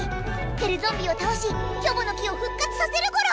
テレゾンビをたおしキョボの木をふっ活させるゴロ！